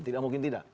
tidak mungkin tidak